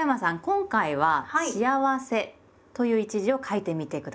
今回は「『幸』せ」という一字を書いてみて下さい。